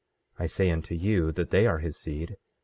I say unto you that they are his seed.